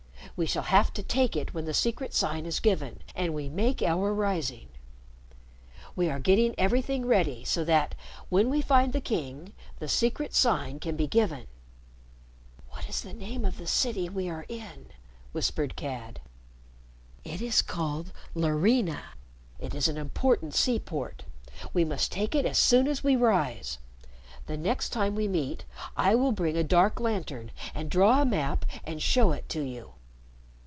We shall have to take it when the secret sign is given and we make our rising. We are getting everything ready, so that, when we find the king, the secret sign can be given." "What is the name of the city we are in?" whispered Cad. "It is called Larrina. It is an important seaport. We must take it as soon as we rise. The next time we meet I will bring a dark lantern and draw a map and show it to you."